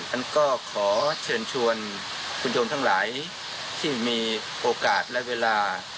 อันก็ขอเชิญชวนคุณโยมทั้งหลายที่มีโอกาสและเวลา